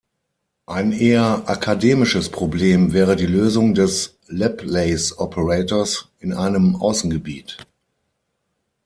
Ein eher akademisches Problem wäre die Lösung des Laplaceoperators in einem Außengebiet.